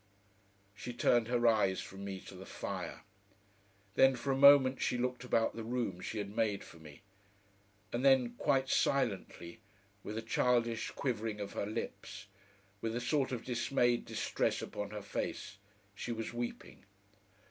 She turned her eyes from me to the fire. Then for a moment she looked about the room she had made for me, and then quite silently, with a childish quivering of her lips, with a sort of dismayed distress upon her face, she was weeping.